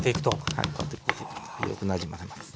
はいこうやって。よくなじませます。